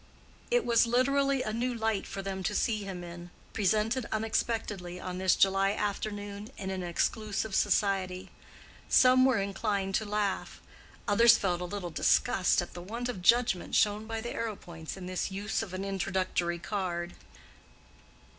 It was literally a new light for them to see him in—presented unexpectedly on this July afternoon in an exclusive society: some were inclined to laugh, others felt a little disgust at the want of judgment shown by the Arrowpoints in this use of an introductory card.